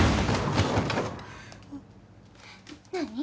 何？